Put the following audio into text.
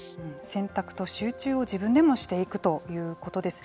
選択と集中を自分でもしていくということです。